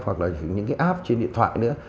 hoặc là những cái app trên điện thoại nữa